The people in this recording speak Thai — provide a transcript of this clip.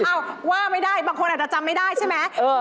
ว่าไม่ได้บางคนอาจจะจำไม่ได้ใช่ไหม